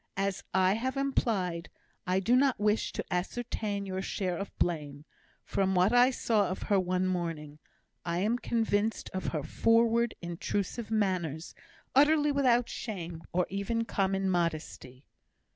"As I have implied, I do not wish to ascertain your share of blame; from what I saw of her one morning, I am convinced of her forward, intrusive manners, utterly without shame, or even common modesty."